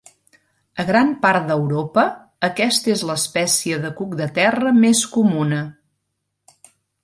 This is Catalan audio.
A gran part d'Europa aquesta és l'espècie de cuc de terra més comuna.